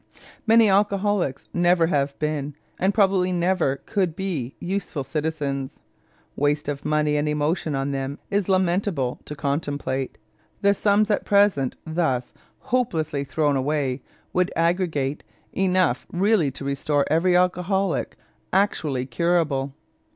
Many alcoholics never have been and probably never could be useful citizens. Waste of money and emotion on them is lamentable to contemplate; the sums at present thus hopelessly thrown away would aggregate enough really to restore every alcoholic actually curable.